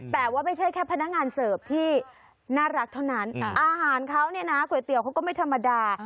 แต่ว่าไม่ใช่แค่พนักงานเสิร์ฟที่น่ารักเท่านั้นอาหารเขาเนี่ยนะก๋วยเตี๋ยวเขาก็ไม่ธรรมดา